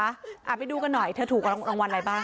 อ่าไปดูกันหน่อยเธอถูกรางวัลอะไรบ้าง